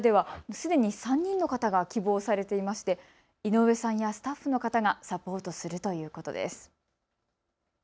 こちらではすでに３人の方が希望されていまして井上さんやスタッフの方がサポートするということです。